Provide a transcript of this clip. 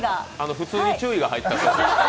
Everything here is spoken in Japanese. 普通に注意が入った。